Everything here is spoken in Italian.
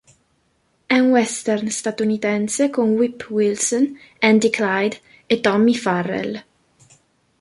È un western statunitense con Whip Wilson, Andy Clyde e Tommy Farrell.